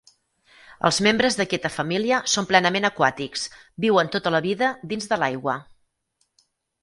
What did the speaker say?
Els membres d'aquesta família són plenament aquàtics, viuen tota la vida dins de l'aigua.